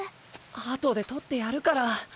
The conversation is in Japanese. あとで捕ってやるから。